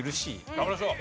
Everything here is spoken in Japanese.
頑張りましょう。